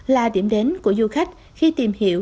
là điểm đến của du khách khi tìm hiểu